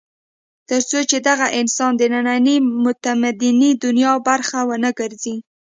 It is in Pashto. تر څو چې دغه انسان د نننۍ متمدنې دنیا برخه ونه ګرځي.